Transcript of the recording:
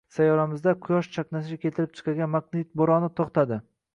Sayyoramizda Quyosh chaqnashi keltirib chiqargan magnit bo‘roni to‘xtading